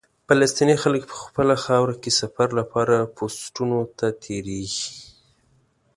فلسطیني خلک په خپله خاوره کې سفر لپاره پوسټونو ته تېرېږي.